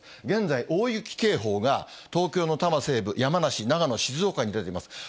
現在、大雪警報が、東京の多摩西部、山梨、長野、静岡に出ています。